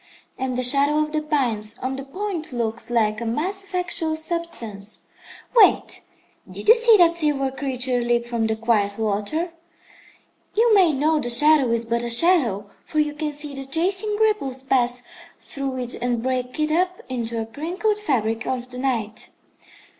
and the shadow of the pines on the point looks like a mass of actual substance. Wait! Did you see that silver creature leap from the quiet water? You may know the shadow is but a shadow, for you can see the chasing ripples pass through it and break it up into a crinkled fabric of the night.